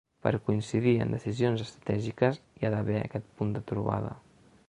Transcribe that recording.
Per coincidir en decisions estratègiques hi ha d’haver aquest punt de trobada.